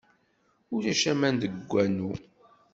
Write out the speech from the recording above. Ulac aman deg wanu.